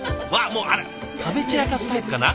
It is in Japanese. もうあら食べ散らかすタイプかな？